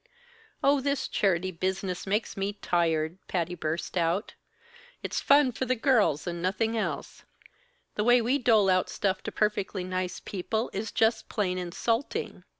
"Oh, this charity business makes me tired!" Patty burst out. "It's fun for the girls, and nothing else. The way we dole out stuff to perfectly nice people, is just plain insulting.